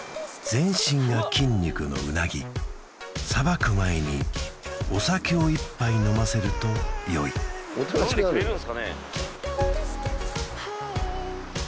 全身が筋肉のうなぎ捌く前にお酒を一杯飲ませるとよい飲んでくれるんですかね